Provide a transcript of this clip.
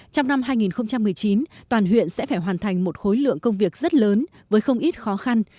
trong năm hai nghìn một mươi chín toàn huyện sẽ phải hoàn thành một khối lượng công việc rất lớn với không ít khó khăn